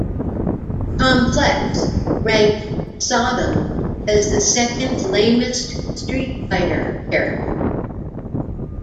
"Complex" ranked Sodom as the second "lamest "Street Fighter" character".